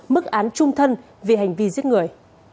mức án trung thân vì hành vi giết người